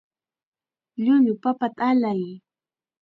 Llullu papata allay.